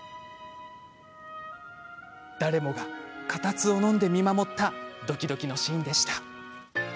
誰もが固唾をのんで見守ったドキドキのシーンでした。